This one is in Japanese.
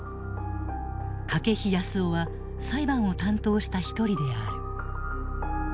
筧康生は裁判を担当した一人である。